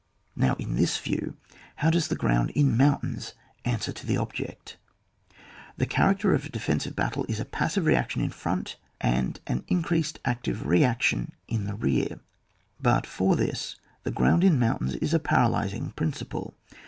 Now in this view, how does the ground in mountains answer to the object ? The character of a defensive battle is a passive reaction in front, and an in creased active reaction in rear; but for this the ground in mountains is a paralysing principle.